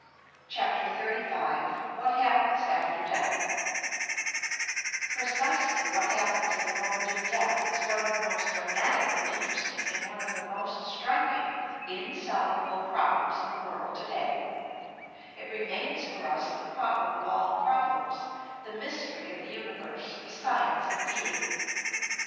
CHAPTER XXXV WHAT HAPPENS AFTER DEATHI Precisely what happens at the moment of death is one of the most dramatically interesting and one of the most striking, insoluble problems in the world today; it re mains for us the problem of all problems, the mystery of the universe, the science of being.